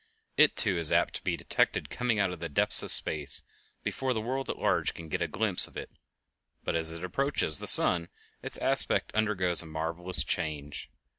It, too, is apt to be detected coming out of the depths of space before the world at large can get a glimpse of it, but as it approaches the sun its aspect undergoes a marvelous change.